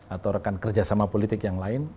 atau rekan kerjasama politik yang lain